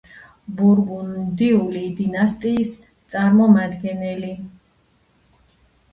ბურგუნდიული დინასტიის წარმომადგენელი.